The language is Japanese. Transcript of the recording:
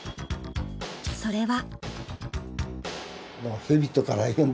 それは。